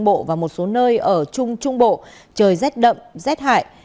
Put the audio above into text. bộ và một số nơi ở trung trung bộ trời rét đậm rét hại